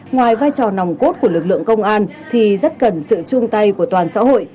ngoài vai trò nòng cốt của lực lượng công an thì rất cần sự chung tay của toàn xã hội